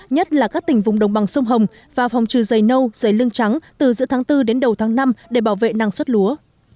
nhất là các tỉnh vùng đồng bằng sông hồng và phòng trừ dây nâu dày lưng trắng từ giữa tháng bốn đến đầu tháng năm để bảo vệ năng suất lúa